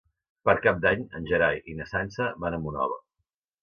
Per Cap d'Any en Gerai i na Sança van a Monòver.